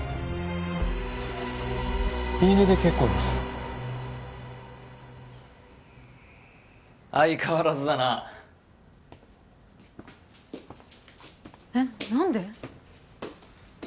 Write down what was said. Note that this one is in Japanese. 言い値で結構です相変わらずだなえっ何で？